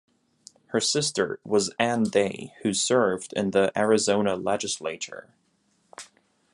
Her sister was Ann Day, who served in the Arizona Legislature.